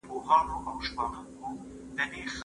تخلیقي ادب د خلکو ذهنونه روښانه کوي.